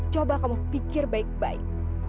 coba kamu pikir baik baik